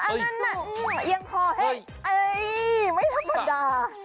อันนั้นน่ะยังพอให้ไม่ธรรมดา